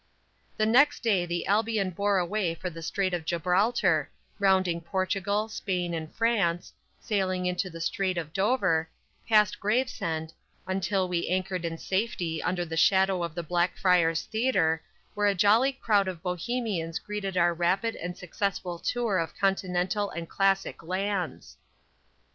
The next day the Albion bore away for the Strait of Gibraltar, rounding Portugal, Spain and France, sailing into the Strait of Dover, passed Gravesend, until we anchored in safety under the shadow of the Blackfriars Theatre, where a jolly crowd of bohemians greeted our rapid and successful tour of continental and classic lands.